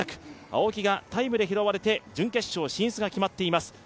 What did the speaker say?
青木がタイムで拾われて準決勝進出を決めています。